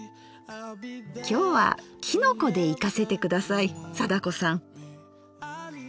今日はきのこでいかせて下さい貞子さん！